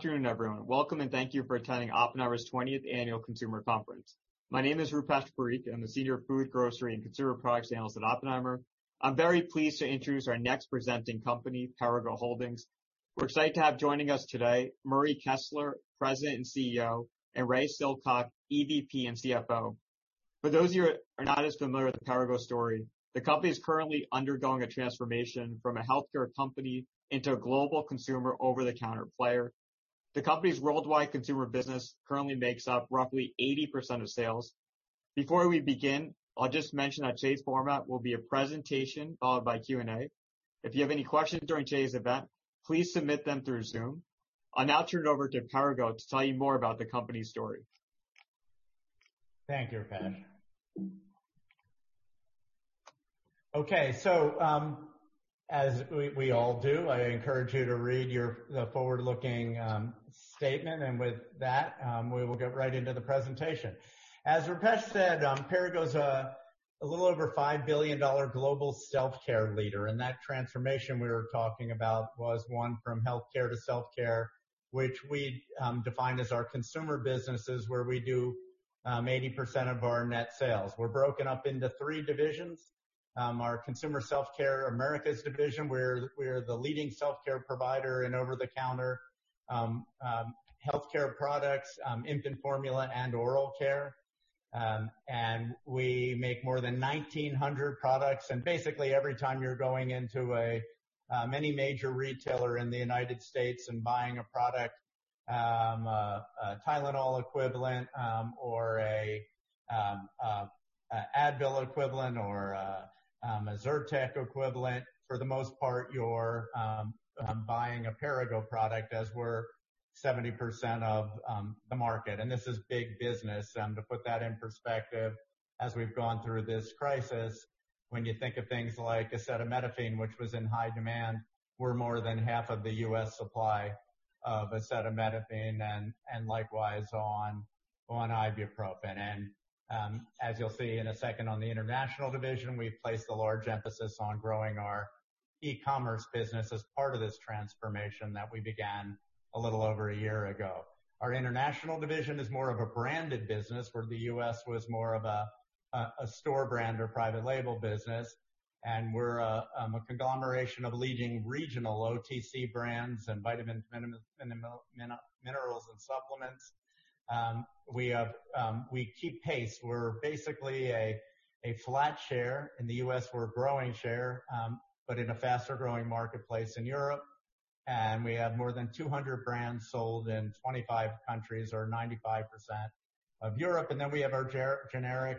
Good afternoon, everyone. Welcome, and thank you for attending Oppenheimer's 20th Annual Consumer Conference. My name is Rupesh Parikh. I'm the Senior of Food, Grocery, and Consumer Products Analyst at Oppenheimer. I'm very pleased to introduce our next presenting company, Perrigo Holdings. We're excited to have joining us today Murray Kessler, President and CEO, and Ray Silcock, EVP and CFO. For those of you who are not as familiar with the Perrigo story, the company is currently undergoing a transformation from a healthcare company into a global consumer over-the-counter player. The company's worldwide consumer business currently makes up roughly 80% of sales. Before we begin, I'll just mention that today's format will be a presentation followed by Q&A. If you have any questions during today's event, please submit them through Zoom. I'll now turn it over to Perrigo to tell you more about the company's story. Thank you, Rupesh. Okay. As we all do, I encourage you to read the forward-looking statement. With that, we will get right into the presentation. As Rupesh said, Perrigo's a little over $5 billion global self-care leader, and that transformation we were talking about was one from healthcare to self-care, which we define as our Consumer businesses, where we do 80% of our net sales. We're broken up into three divisions. Our Consumer Self-Care Americas division, we're the leading self-care provider in over-the-counter healthcare products, infant formula, and oral care. We make more than 1,900 products. Basically, every time you're going into any major retailer in the United States and buying a product, a Tylenol equivalent, or an Advil equivalent, or a Zyrtec equivalent. For the most part, you're buying a Perrigo product as we're 70% of the market. This is big business. To put that in perspective, as we've gone through this crisis, when you think of things like acetaminophen, which was in high demand, we're more than half of the U.S. supply of acetaminophen and likewise on ibuprofen. As you'll see in a second, on the International Division, we've placed a large emphasis on growing our E-commerce business as part of this transformation that we began a little over a year ago. Our International Division is more of a branded business, where the U.S. was more of a store brand or private label business, and we're a conglomeration of leading regional OTC brands and vitamins, minerals, and supplements. We keep pace. We're basically a flat share. In the U.S., we're a growing share, but in a faster-growing marketplace in Europe. We have more than 200 brands sold in 25 countries or 95% of Europe. We have our Generic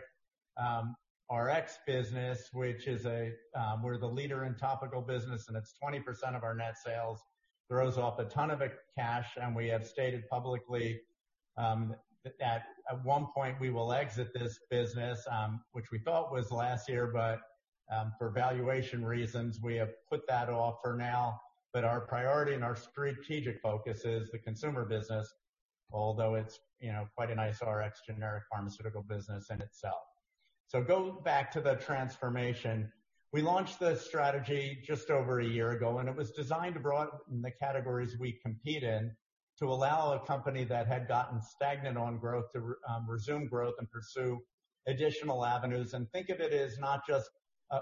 Rx business, which is we're the leader in topical business, and it's 20% of our net sales. Throws off a ton of cash. We have stated publicly that at one point, we will exit this business, which we thought was last year. For valuation reasons, we have put that off for now. Our priority and our strategic focus is the consumer business, although it's quite a nice Rx generic pharmaceutical business in itself. Going back to the transformation, we launched this strategy just over a year ago, and it was designed broad in the categories we compete in to allow a company that had gotten stagnant on growth to resume growth and pursue additional avenues. Think of it as not just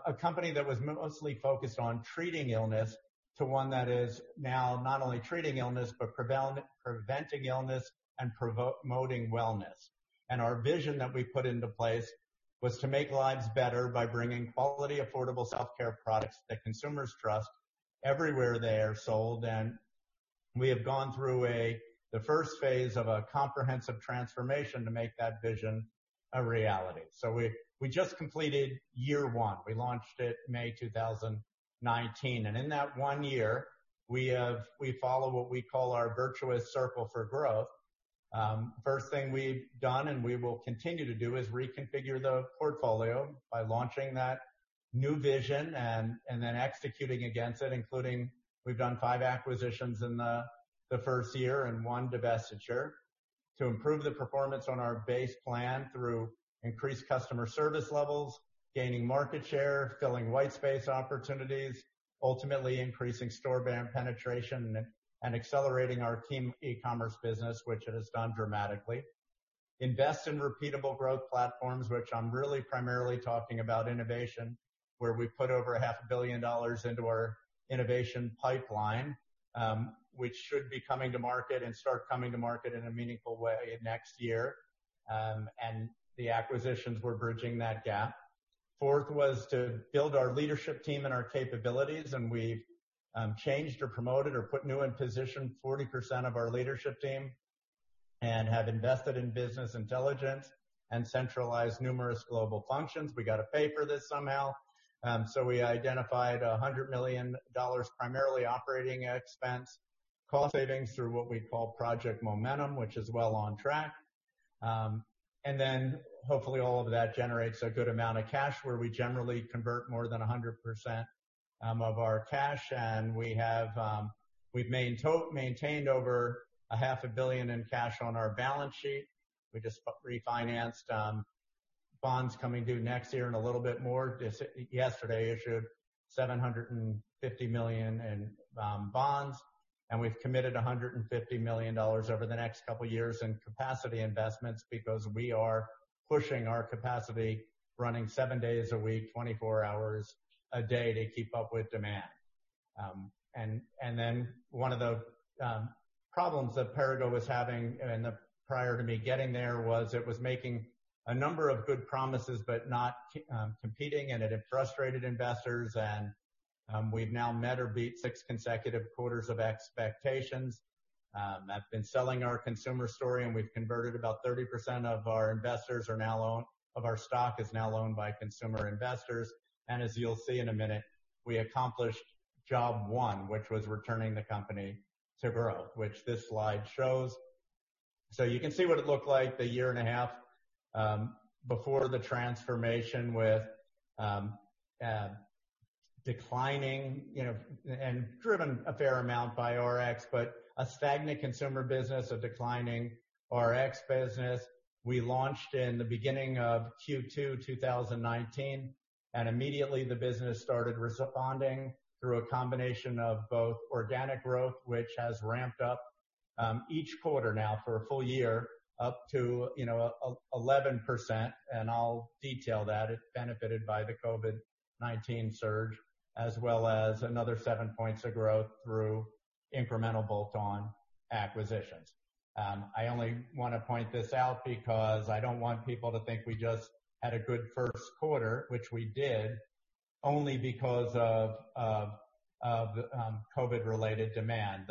a company that was mostly focused on treating illness to one that is now not only treating illness, but preventing illness and promoting wellness. Our vision that we put into place was to make lives better by bringing quality, affordable self-care products that consumers trust everywhere they are sold. We have gone through the first phase of a comprehensive transformation to make that vision a reality. We just completed year one. We launched it May 2019. In that one year, we follow what we call our virtuous circle for growth. First thing we've done and we will continue to do is reconfigure the portfolio by launching that new vision and then executing against it, including we've done five acquisitions in the first year and one divestiture to improve the performance on our base plan through increased customer service levels, gaining market share, filling white space opportunities, ultimately increasing store brand penetration, and accelerating our key E-commerce business, which it has done dramatically. Invest in repeatable growth platforms, which I'm really primarily talking about innovation, where we put over $0.5 billion into our innovation pipeline, which should be coming to market and start coming to market in a meaningful way next year. The acquisitions were bridging that gap. Fourth was to build our leadership team and our capabilities, we've changed or promoted or put new in position 40% of our leadership team and have invested in business intelligence and centralized numerous global functions. We got to pay for this somehow. We identified $100 million primarily operating expense cost savings through what we call Project Momentum, which is well on track. Hopefully all of that generates a good amount of cash where we generally convert more than 100% of our cash. We've maintained over $0.5 billion in cash on our balance sheet. We just refinanced bonds coming due next year and a little bit more. yesterday issued $750 million in bonds, and we've committed $150 million over the next couple of years in capacity investments because we are pushing our capacity running seven days a week, 24 hours a day to keep up with demand. One of the problems that Perrigo was having prior to me getting there was it was making a number of good promises but not competing, and it had frustrated investors. We've now met or beat six consecutive quarters of expectations. I've been selling our consumer story, and we've converted about 30% of our stock is now owned by consumer investors. As you'll see in a minute, we accomplished job one, which was returning the company to growth, which this slide shows. You can see what it looked like the year and a half before the transformation with declining and driven a fair amount by Rx, but a stagnant consumer business, a declining Rx business. We launched in the beginning of Q2 2019. Immediately the business started responding through a combination of both organic growth, which has ramped up each quarter now for a full year up to 11%. I'll detail that. It benefited by the COVID-19 surge, as well as another seven points of growth through incremental bolt-on acquisitions. I only want to point this out because I don't want people to think we just had a good first quarter, which we did, only because of COVID-related demand.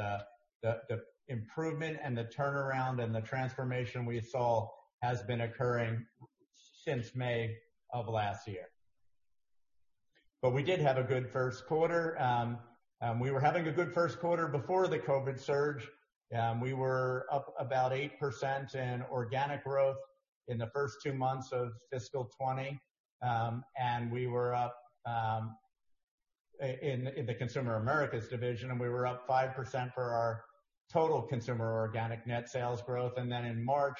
The improvement and the turnaround and the transformation we saw has been occurring since May of last year. We did have a good first quarter. We were having a good first quarter before the COVID-19 surge. We were up about 8% in organic growth in the first two months of fiscal 2020. We were up in the Consumer Americas division, and we were up 5% for our total consumer organic net sales growth. Then in March,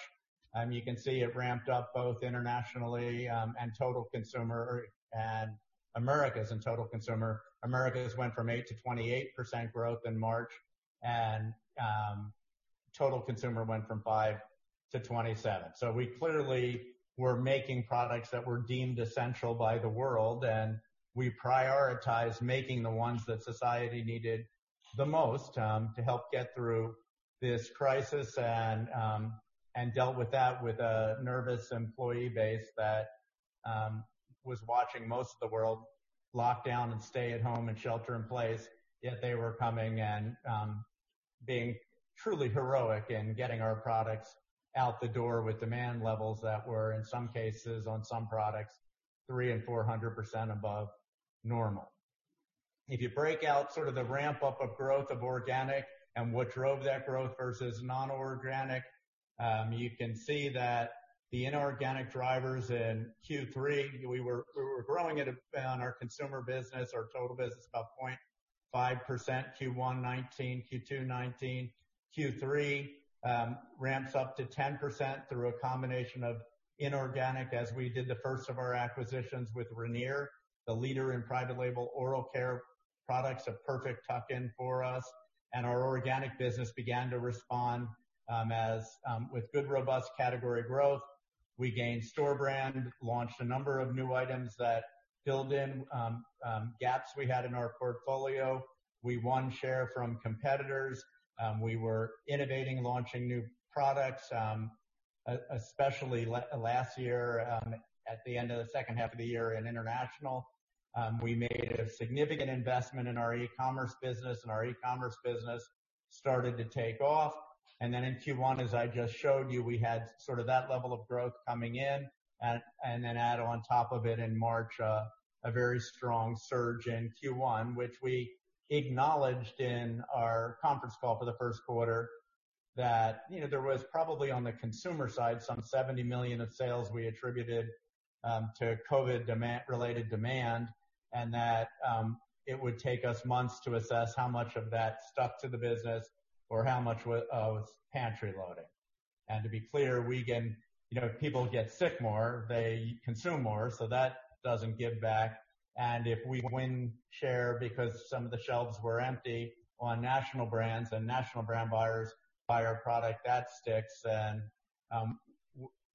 you can see it ramped up both internationally and total consumer. Americas and total consumer, Americas went from 8%-28% growth in March, and total consumer went from 5%-27%. We clearly were making products that were deemed essential by the world, and we prioritized making the ones that society needed the most to help get through this crisis and dealt with that with a nervous employee base that was watching most of the world lock down and stay at home and shelter in place. They were coming and being truly heroic in getting our products out the door with demand levels that were, in some cases, on some products, 300 and 400% above normal. If you break out sort of the ramp-up of growth of organic and what drove that growth versus non-organic, you can see that the inorganic drivers in Q3, we were growing it on our consumer business, our total business, about 0.5% Q1 2019, Q2 2019. Q3 ramps up to 10% through a combination of inorganic as we did the first of our acquisitions with Ranir, the leader in private label oral care products, a perfect tuck-in for us. Our organic business began to respond with good, robust category growth. We gained store brand, launched a number of new items that filled in gaps we had in our portfolio. We won share from competitors. We were innovating, launching new products, especially last year at the end of the second half of the year in International. We made a significant investment in our E-commerce business, and our E-commerce business started to take off. In Q1, as I just showed you, we had sort of that level of growth coming in, and then add on top of it in March, a very strong surge in Q1, which we acknowledged in our conference call for the first quarter that there was probably, on the consumer side, some $70 million of sales we attributed to COVID-related demand, and that it would take us months to assess how much of that stuck to the business or how much was pantry loading. To be clear, if people get sick more, they consume more, so that doesn't give back. If we win share because some of the shelves were empty on national brands and national brand buyers buy our product, that sticks.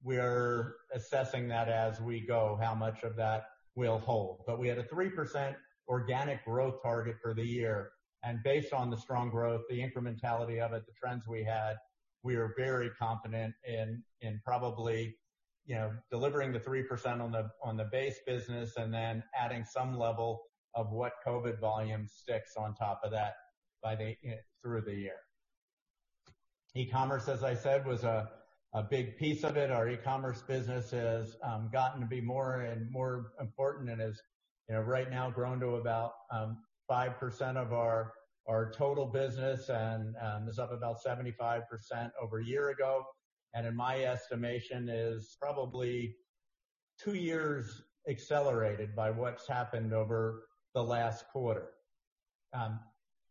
We're assessing that as we go, how much of that will hold. We had a 3% organic growth target for the year. Based on the strong growth, the incrementality of it, the trends we had, we are very confident in probably delivering the 3% on the base business and then adding some level of what COVID-19 volume sticks on top of that through the year. E-commerce, as I said, was a big piece of it. Our E-commerce business has gotten to be more and more important and has right now grown to about 5% of our total business and is up about 75% over a year ago. In my estimation, is probably two years accelerated by what's happened over the last quarter.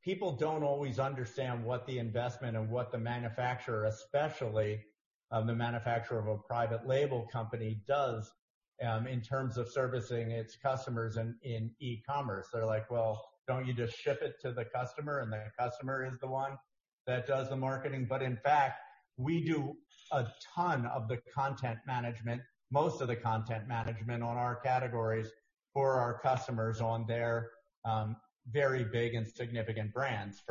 People don't always understand what the investment and what the manufacturer, especially the manufacturer of a private label company, does in terms of servicing its customers in e-commerce. They're like, "Well, don't you just ship it to the customer, and the customer is the one that does the marketing?" In fact, we do a ton of the content management, most of the content management on our categories for our customers on their very big and significant brands.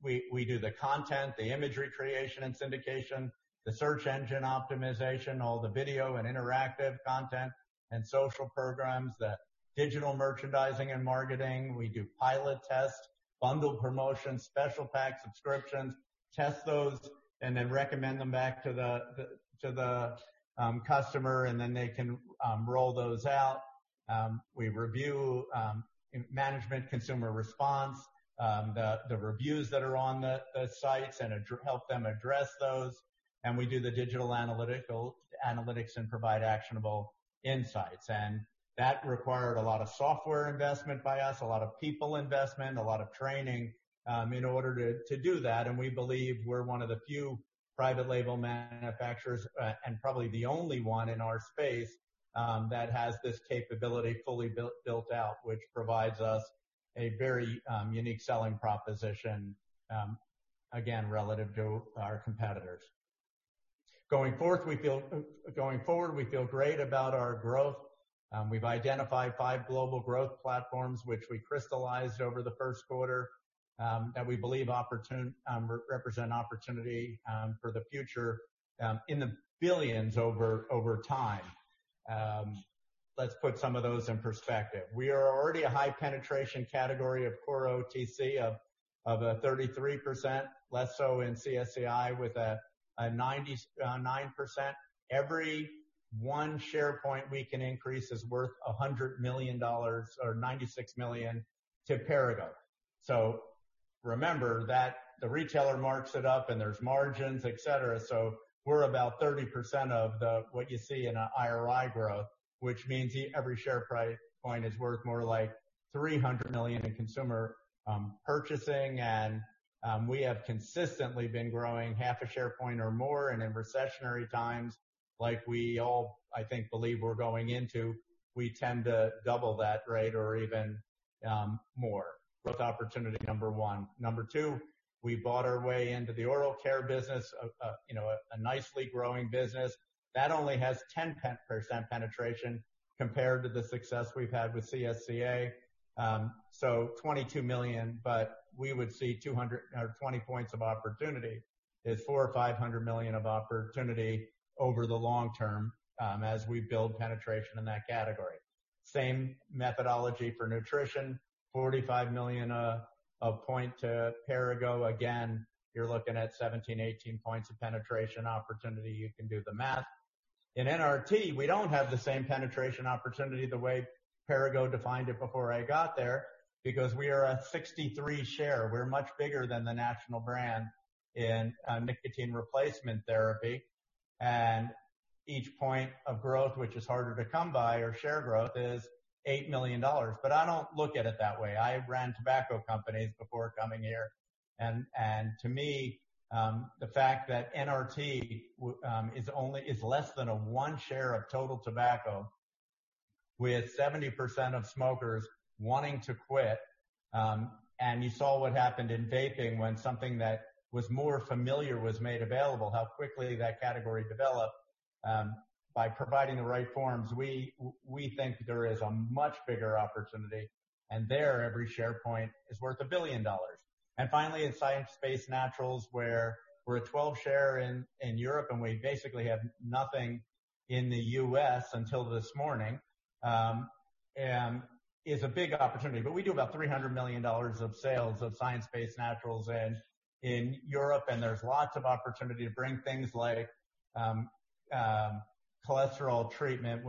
We do the content, the imagery creation and syndication, the search engine optimization, all the video and interactive content and social programs, the digital merchandising and marketing. We do pilot tests, bundle promotions, special packs, subscriptions, test those, and then recommend them back to the customer, and then they can roll those out. We review management, consumer response, the reviews that are on the sites and help them address those. We do the digital analytics and provide actionable insights. That required a lot of software investment by us, a lot of people investment, a lot of training in order to do that. We believe we're one of the few private label manufacturers, and probably the only one in our space, that has this capability fully built out, which provides us a very unique selling proposition, again, relative to our competitors. Going forward, we feel great about our growth. We've identified five global growth platforms which we crystallized over the first quarter, that we believe represent opportunity for the future in the billions over time. Let's put some of those in perspective. We are already a high penetration category of core OTC of 33%, less so in CSCI with a 9%. Every 1 share point we can increase is worth $100 million or $96 million to Perrigo. Remember that the retailer marks it up and there's margins, et cetera. We're about 30% of what you see in IRI growth, which means every share point is worth more like $300 million in consumer purchasing. We have consistently been growing 0.5 share point or more. In recessionary times, like we all, I think, believe we're going into, we tend to double that rate or even more. Growth opportunity number one. Number two, we bought our way into the Oral Care business, a nicely growing business. That only has 10% penetration compared to the success we've had with CSCA. 22 million, but we would see 20 points of opportunity is $400 million or $500 million of opportunity over the long term as we build penetration in that category. Same methodology for nutrition, $45 million of point to Perrigo. You're looking at 17, 18 points of penetration opportunity. In NRT, we don't have the same penetration opportunity the way Perrigo defined it before I got there, because we are a 63 share. We're much bigger than the national brand in nicotine replacement therapy. Each point of growth, which is harder to come by or share growth, is $8 million. I don't look at it that way. I ran tobacco companies before coming here. To me, the fact that NRT is less than 1 share of total tobacco, with 70% of smokers wanting to quit, you saw what happened in vaping when something that was more familiar was made available, how quickly that category developed. By providing the right forms, we think there is a much bigger opportunity, and there every share point is worth $1 billion. Finally, in science-based naturals, where we're a 12 share in Europe, and we basically have nothing in the U.S. until this morning, is a big opportunity. We do about $300 million of sales of science-based naturals in Europe, and there's lots of opportunity to bring things like cholesterol treatment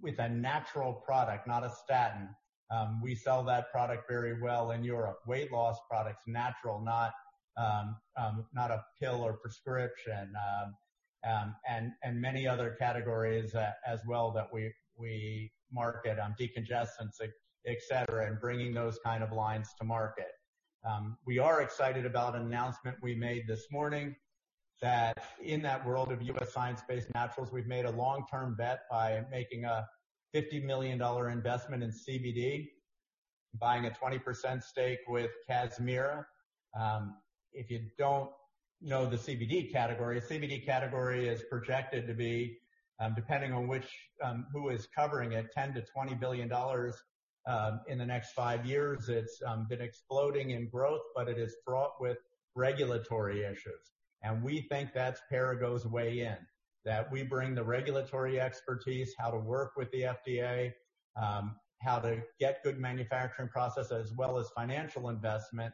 with a natural product, not a statin. We sell that product very well in Europe. Weight loss products, natural, not a pill or prescription, and many other categories as well that we market, decongestants, et cetera, and bringing those kind of lines to market. We are excited about an announcement we made this morning that in that world of U.S. science-based naturals, we've made a long-term bet by making a $50 million investment in CBD, buying a 20% stake with Kazmira. If you don't know the CBD category, CBD category is projected to be, depending on who is covering it, $10 billion-$20 billion in the next five years. It's been exploding in growth, but it is fraught with regulatory issues. We think that's Perrigo's way in. That we bring the regulatory expertise, how to work with the FDA, how to get good manufacturing process, as well as financial investment.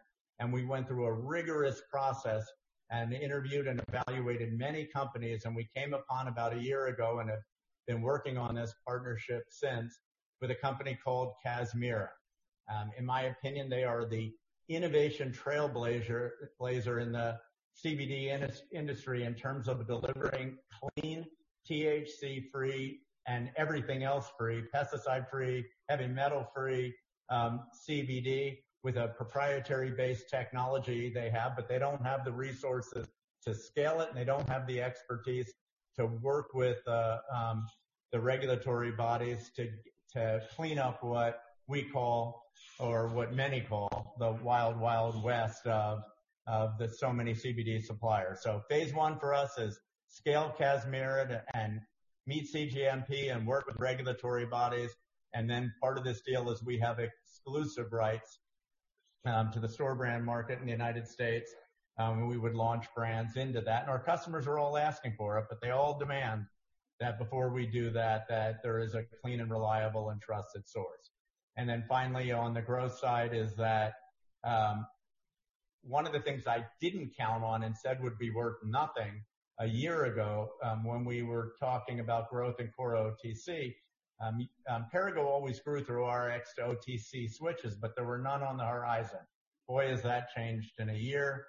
We went through a rigorous process and interviewed and evaluated many companies, and we came upon about a year ago and have been working on this partnership since with a company called Kazmira. In my opinion, they are the innovation trailblazer in the CBD industry in terms of delivering clean, THC-free, and everything else free, pesticide-free, heavy metal-free CBD with a proprietary-based technology they have. They don't have the resources to scale it, and they don't have the expertise to work with the regulatory bodies to clean up what we call or what many call the Wild Wild West of the so many CBD suppliers. Phase I for us is scale Kazmira and meet CGMP and work with regulatory bodies. Part of this deal is we have exclusive rights to the store brand market in the United States. We would launch brands into that, and our customers are all asking for it, but they all demand that before we do that there is a clean and reliable and trusted source. Finally, on the growth side, is that one of the things I didn't count on and said would be worth nothing a year ago, when we were talking about growth in core OTC. Perrigo always grew through our Rx-to-OTC switches, there were none on the horizon. Boy, has that changed in a year.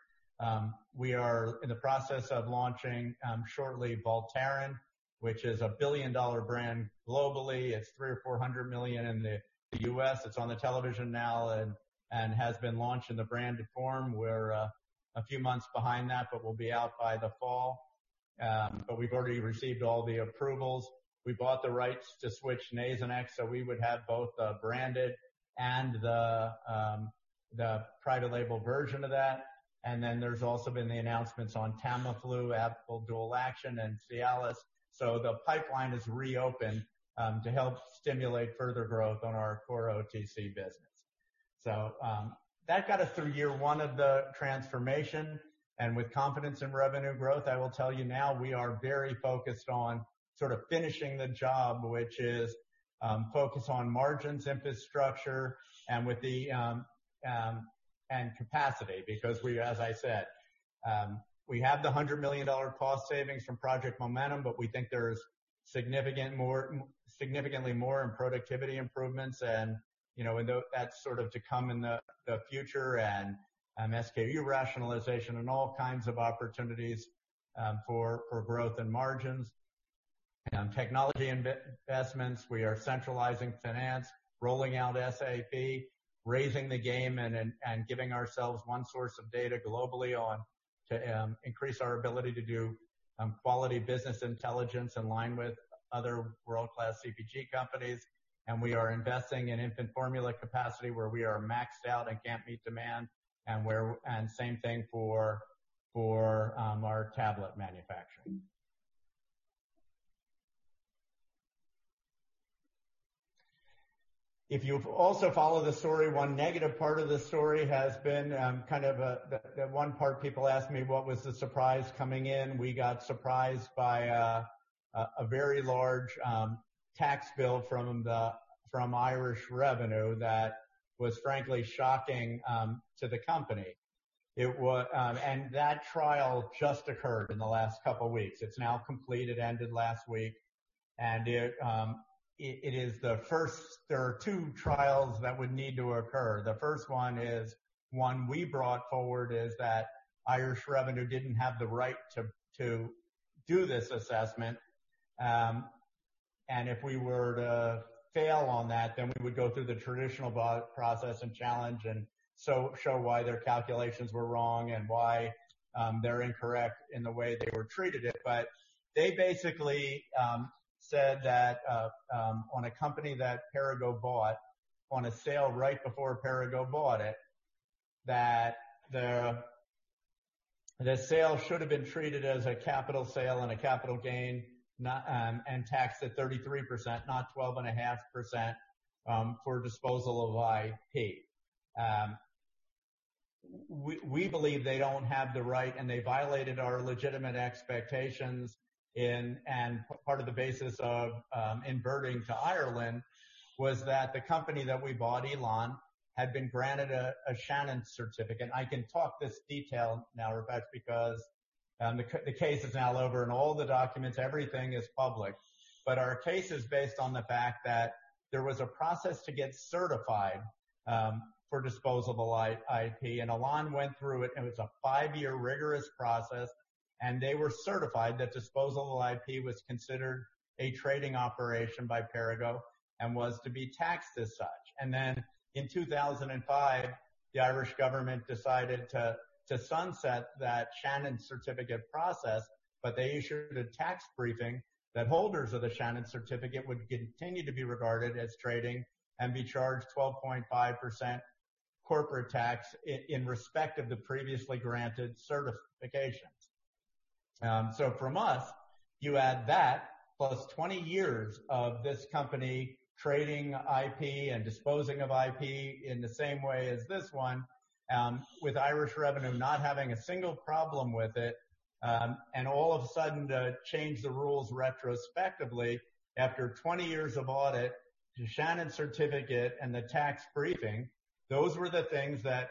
We are in the process of launching shortly Voltaren, which is a $1 billion brand globally. It's $300 million or $400 million in the U.S. It's on the television now and has been launched in the branded form. We're a few months behind that, we'll be out by the fall. We've already received all the approvals. We bought the rights to switch Nasonex, so we would have both the branded and the private label version of that. There's also been the announcements on Tamiflu, Advil Dual Action, and Cialis. The pipeline is reopened to help stimulate further growth on our core OTC business. That got us through year one of the transformation. With confidence in revenue growth, I will tell you now we are very focused on sort of finishing the job, which is focus on margins, infrastructure, and capacity. As I said, we have the $100 million cost savings from Project Momentum, but we think there's significantly more in productivity improvements and that's sort of to come in the future and SKU rationalization and all kinds of opportunities for growth in margins and technology investments. We are centralizing finance, rolling out SAP, raising the game and giving ourselves one source of data globally to increase our ability to do quality business intelligence in line with other world-class CPG companies. We are investing in infant formula capacity where we are maxed out and can't meet demand. Same thing for our tablet manufacturing. If you also follow the story, one negative part of the story has been kind of the one part people ask me what was the surprise coming in. We got surprised by a very large tax bill from Irish Revenue that was frankly shocking to the company. That trial just occurred in the last couple of weeks. It's now completed, ended last week, and there are two trials that would need to occur. The first one is one we brought forward is that Irish Revenue didn't have the right to do this assessment. If we were to fail on that, then we would go through the traditional process and challenge and show why their calculations were wrong and why they are incorrect in the way they were treated it. They basically said that on a company that Perrigo bought on a sale right before Perrigo bought it, that the sale should have been treated as a capital sale and a capital gain and taxed at 33%, not 12.5% for disposal of IP. We believe they do not have the right, and they violated our legitimate expectations and part of the basis of inverting to Ireland was that the company that we bought, Elan, had been granted a Shannon Certificate. I can talk this detail now, Rupesh, because the case is now over and all the documents, everything is public. Our case is based on the fact that there was a process to get certified for disposal of IP, and Elan went through it, and it was a five-year rigorous process, and they were certified that disposal of IP was considered a trading operation by Perrigo and was to be taxed as such. In 2005, the Irish government decided to sunset that Shannon Certificate process, but they issued a tax briefing that holders of the Shannon Certificate would continue to be regarded as trading and be charged 12.5% corporate tax in respect of the previously granted certifications. From us, you add that plus 20 years of this company trading IP and disposing of IP in the same way as this one, with Irish Revenue not having a single problem with it, and all of a sudden to change the rules retrospectively after 20 years of audit, the Shannon Certificate, and the tax briefing. It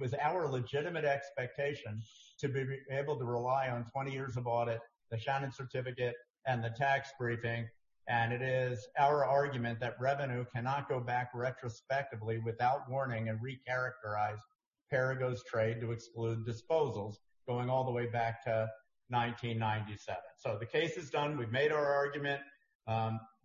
was our legitimate expectation to be able to rely on 20 years of audit, the Shannon Certificate, and the tax briefing. It is our argument that Revenue cannot go back retrospectively without warning and recharacterize Perrigo's trade to exclude disposals going all the way back to 1997. The case is done. We've made our argument.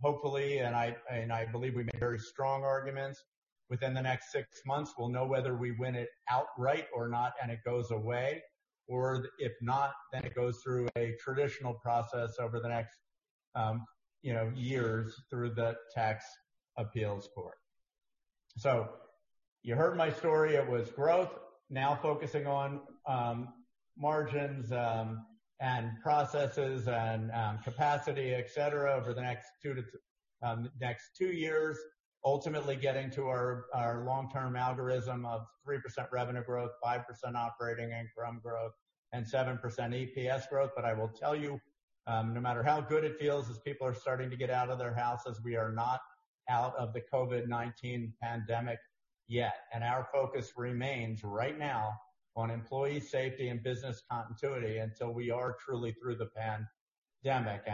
Hopefully, and I believe we made very strong arguments, within the next six months, we'll know whether we win it outright or not, and it goes away. If not, then it goes through a traditional process over the next years through the tax appeals court. You heard my story. It was growth, now focusing on margins, and processes, and capacity, et cetera, over the next two years. Ultimately, getting to our long-term algorithm of 3% revenue growth, 5% operating income growth, and 7% EPS growth. I will tell you, no matter how good it feels as people are starting to get out of their houses, we are not out of the COVID-19 pandemic yet, and our focus remains right now on employee safety and business continuity until we are truly through the pandemic.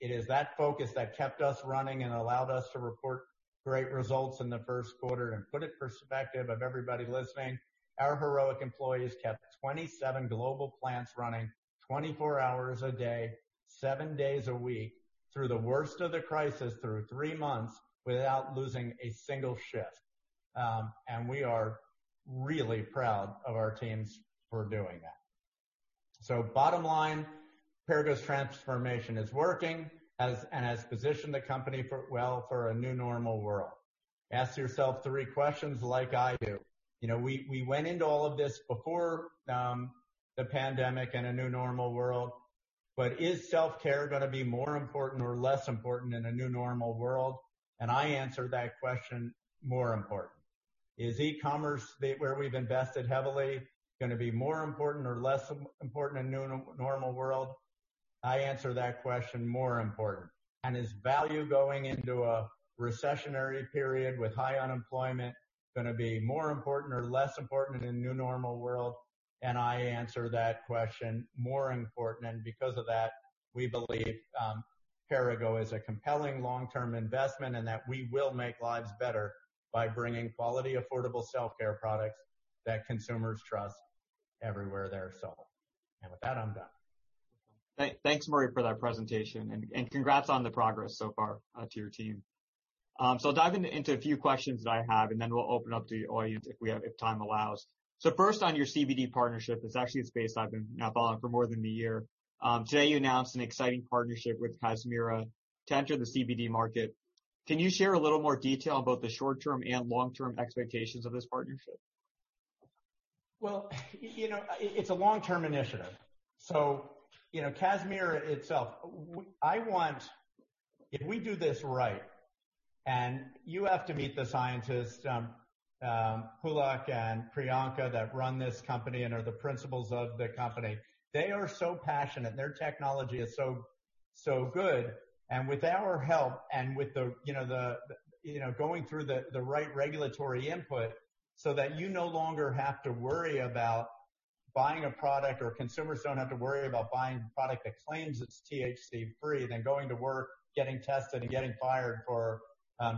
It is that focus that kept us running and allowed us to report great results in the first quarter. Put in perspective of everybody listening, our heroic employees kept 27 global plants running 24 hours a day, seven days a week, through the worst of the crisis, through three months, without losing a single shift. We are really proud of our teams for doing that. Bottom line, Perrigo's transformation is working and has positioned the company well for a new normal world. Ask yourself three questions like I do. We went into all of this before the pandemic and a new normal world, but is self-care going to be more important or less important in a new normal world? I answer that question, more important. Is e-commerce, where we've invested heavily, going to be more important or less important in a new normal world? I answer that question, more important. Is value going into a recessionary period with high unemployment going to be more important or less important in a new normal world? I answer that question, more important. Because of that, we believe Perrigo is a compelling long-term investment, and that we will make lives better by bringing quality, affordable self-care products that consumers trust everywhere they are sold. With that, I'm done. Thanks, Murray, for that presentation. Congrats on the progress so far to your team. I'll dive into a few questions that I have, and then we'll open up to the audience if time allows. First, on your CBD partnership, it's actually a space I've been now following for more than a year. Today, you announced an exciting partnership with Kazmira to enter the CBD market. Can you share a little more detail about the short-term and long-term expectations of this partnership? Well, it's a long-term initiative. Kazmira itself, if we do this right, and you have to meet the scientists, Pulak and Priyanka, that run this company and are the principals of the company. They are so passionate. Their technology is so good, and with our help and going through the right regulatory input, so that you no longer have to worry about buying a product, or consumers don't have to worry about buying a product that claims it's THC-free, then going to work, getting tested and getting fired for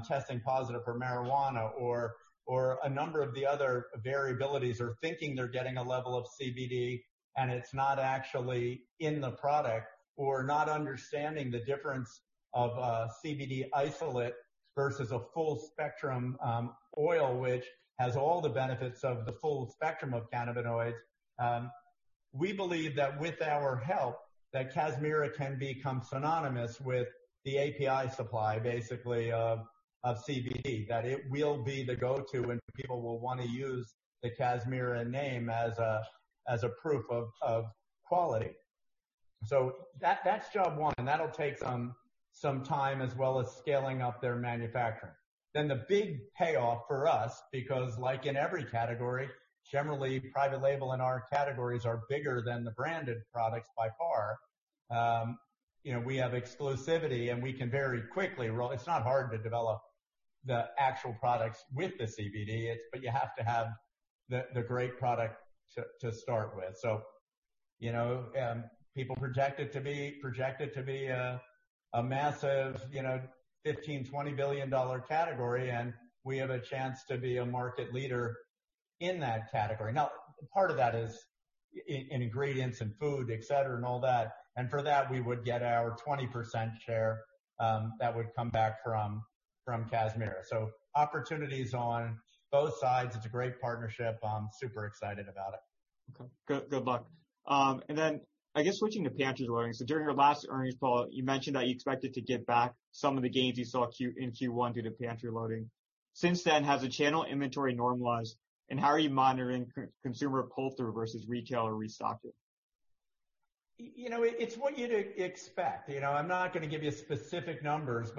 testing positive for marijuana or a number of the other variabilities. Thinking they're getting a level of CBD, and it's not actually in the product. Not understanding the difference of a CBD isolate versus a full-spectrum oil, which has all the benefits of the full spectrum of cannabinoids. We believe that with our help, that Kazmira can become synonymous with the API supply, basically, of CBD. It will be the go-to, and people will want to use the Kazmira name as a proof of quality. That's job one, and that'll take some time, as well as scaling up their manufacturing. The big payoff for us, because like in every category, generally private label in our categories are bigger than the branded products by far. We have exclusivity, and we can very quickly roll. It's not hard to develop the actual products with the CBD, but you have to have the great product to start with. People project it to be a massive $15 billion-$20 billion category, and we have a chance to be a market leader in that category. Part of that is in ingredients and food, et cetera, and all that. For that, we would get our 20% share that would come back from Kazmira. Opportunities on both sides. It's a great partnership. I'm super excited about it. Okay. Good luck. I guess switching to pantry loading. During your last earnings call, you mentioned that you expected to give back some of the gains you saw in Q1 due to pantry loading. Has the channel inventory normalized, and how are you monitoring consumer pull-through versus retailer restocking? It's what you'd expect. I'm not going to give you specific numbers.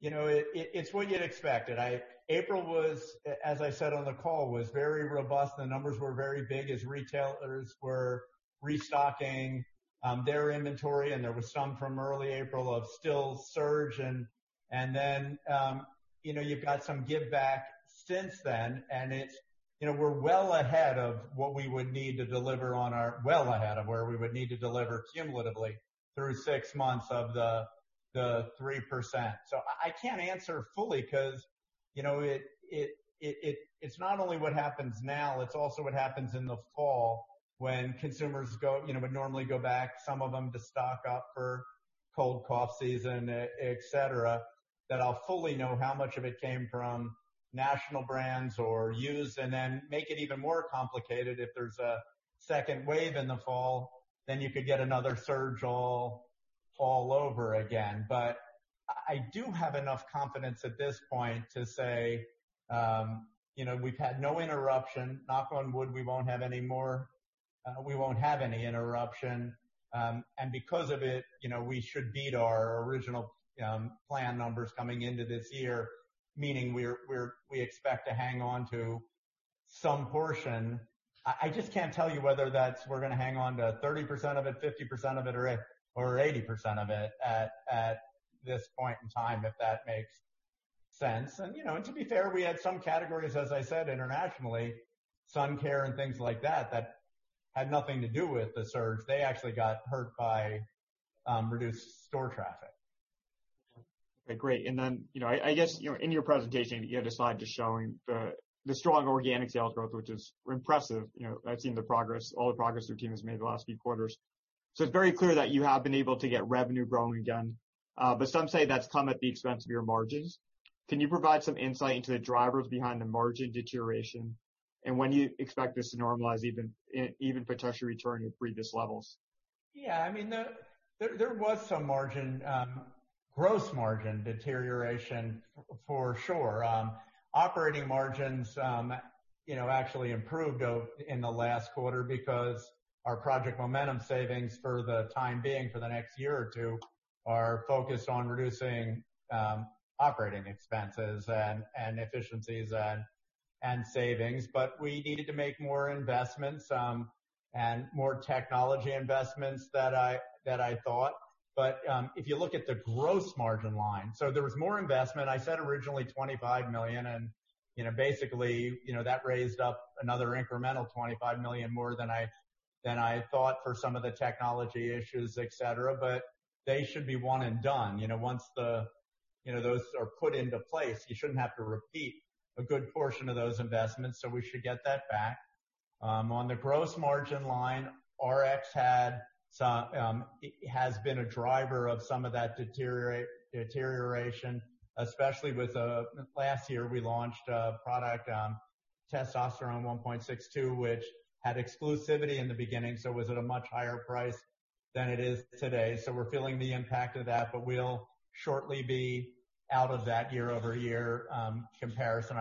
It's what you'd expect. April, as I said on the call, was very robust. The numbers were very big as retailers were restocking their inventory. There was some from early April of still surge. You've got some give back since then. We're well ahead of where we would need to deliver cumulatively through six months of the 3%. I can't answer fully because it's not only what happens now. It's also what happens in the fall when consumers would normally go back, some of them to stock up for cold/cough season, et cetera, that I'll fully know how much of it came from national brands or used. Make it even more complicated, if there's a second wave in the fall, you could get another surge all over again. I do have enough confidence at this point to say, we've had no interruption. Knock on wood, we won't have any more. We won't have any interruption. Because of it, we should beat our original plan numbers coming into this year, meaning we expect to hang on to some portion. I just can't tell you whether that's we're going to hang on to 30% of it, 50% of it, or 80% of it at this point in time, if that makes sense. To be fair, we had some categories, as I said, internationally, sun care and things like that had nothing to do with the surge. They actually got hurt by reduced store traffic. Okay, great. I guess, in your presentation, you had a slide just showing the strong organic sales growth, which is impressive. I've seen all the progress your team has made the last few quarters. It's very clear that you have been able to get revenue growing again. Some say that's come at the expense of your margins. Can you provide some insight into the drivers behind the margin deterioration and when you expect this to normalize, even potentially return to previous levels? Yeah, there was some gross margin deterioration for sure. Operating margins actually improved in the last quarter because our Project Momentum savings for the time being, for the next year or two, are focused on reducing operating expenses and efficiencies and savings. We needed to make more investments and more technology investments than I thought. If you look at the gross margin line, so there was more investment. I said originally $25 million, basically, that raised up another incremental $25 million more than I thought for some of the technology issues, et cetera. They should be one and done. Once those are put into place, you shouldn't have to repeat a good portion of those investments, so we should get that back. On the gross margin line, Rx has been a driver of some of that deterioration, especially with last year, we launched a product, Testosterone 1.62%, which had exclusivity in the beginning, so it was at a much higher price than it is today. We're feeling the impact of that, but we'll shortly be out of that year-over-year comparison.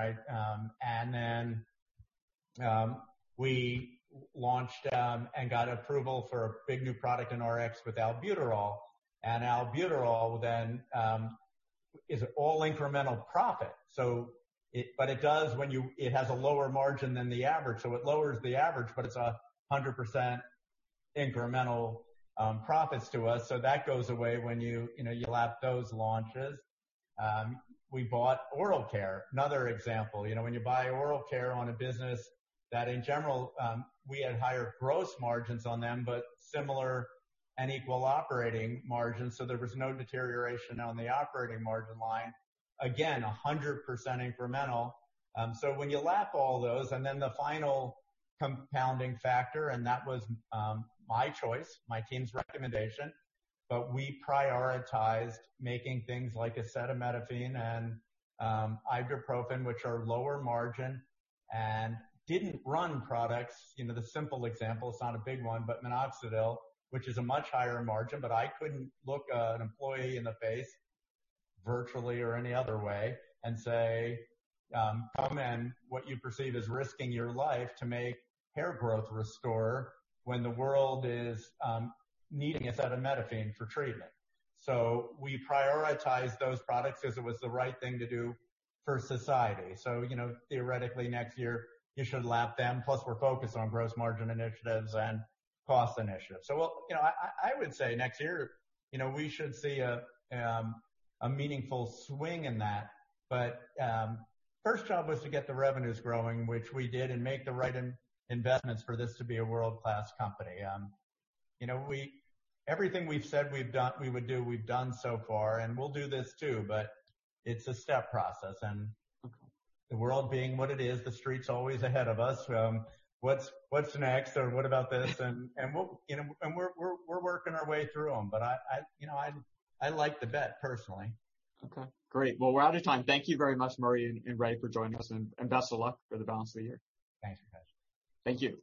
We launched and got approval for a big new product in Rx with albuterol. albuterol then is all incremental profit. It has a lower margin than the average, so it lowers the average, but it's 100% incremental profits to us. That goes away when you lap those launches. We bought Oral Care. Another example, when you buy Oral Care on a business that in general, we had higher gross margins on them, but similar and equal operating margins. There was no deterioration on the operating margin line. Again, 100% incremental. When you lap all those, then the final compounding factor, that was my choice, my team's recommendation. We prioritized making things like acetaminophen and ibuprofen, which are lower margin and didn't run products. The simple example, it's not a big one, but minoxidil, which is a much higher margin, but I couldn't look an employee in the face virtually or any other way and say, "Come in what you perceive as risking your life to make hair growth restore when the world is needing acetaminophen for treatment." We prioritized those products because it was the right thing to do for society. Theoretically, next year, you should lap them. Plus, we're focused on gross margin initiatives and cost initiatives. I would say next year, we should see a meaningful swing in that. First job was to get the revenues growing, which we did, and make the right investments for this to be a world-class company. Everything we've said we would do, we've done so far, and we'll do this too, but it's a step process. The world being what it is, the street's always ahead of us. What's next, or what about this? We're working our way through them, but I like the bet personally. Okay, great. Well, we're out of time. Thank you very much, Murray and Ray, for joining us. Best of luck for the balance of the year. Thanks, you guys. Thank you.